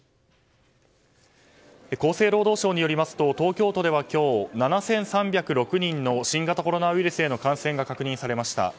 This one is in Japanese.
厚生労働省によりますと東京都では今日７３０６人の新型コロナウイルスへの感染が確認されました。